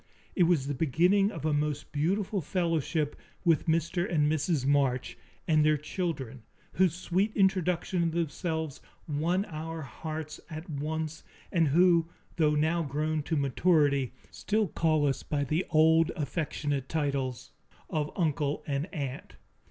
It was the beginning of a most beautiful fellowship with Mr. and Mrs. March and their children, whose sweet introduction of themselves won our hearts at once and who, though now grown to maturity, still call us by the old, affectionate titles of uncle and aunt.